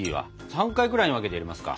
３回くらいに分けて入れますか？